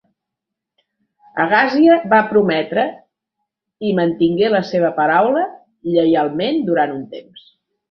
Agastya va prometre i mantingué la seva paraula lleialment durant un temps.